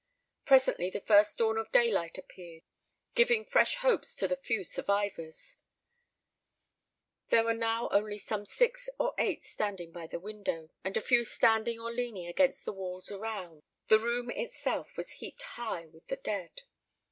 Presently the first dawn of daylight appeared, giving fresh hopes to the few survivors. There were now only some six or eight standing by the window, and a few standing or leaning against the walls around. The room itself was heaped high with the dead.